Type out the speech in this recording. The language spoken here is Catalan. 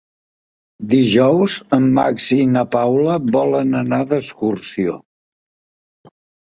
Dijous en Max i na Paula volen anar d'excursió.